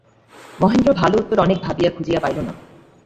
মহেন্দ্র ভালো উত্তর অনেক ভাবিয়া খুঁজিয়া পাইল না।